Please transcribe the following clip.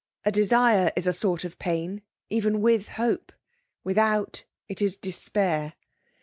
A desire is a sort of pain, even with hope, without it is despair.